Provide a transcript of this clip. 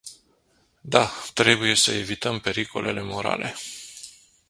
Da, trebuie să evităm pericolele morale.